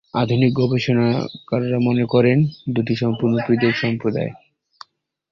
আধুনিক গবেষকরা মনে করেন, দুটি সম্পূর্ণ পৃথক সম্প্রদায়।